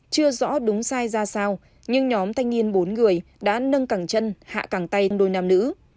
chưa rõ đúng sai ra sao nhưng nhóm thanh niên bốn người đã nâng cẳng chân hạ càng tay đôi nam nữ